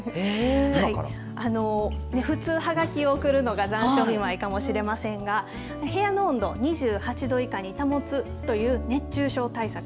普通はがきを贈るのが残暑見舞いかもしれませんが部屋の温度を２８度以下に保つという熱中症対策。